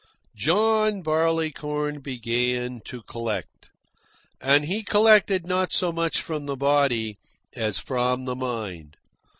John Barleycorn began to collect, and he collected not so much from the body as from the mind.